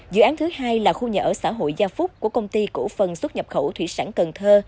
dự án thứ hai là khu nhà ở xã hội gia phúc của công ty cổ phần xuất nhập khẩu thủy sản cần thơ